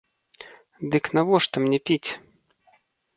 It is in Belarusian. Дык навошта мне піць?